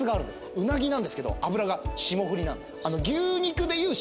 うなぎなんですけど脂が霜降りなんです。